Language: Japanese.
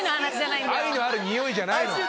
「愛のあるにおい」じゃないの。